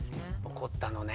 怒ったのね。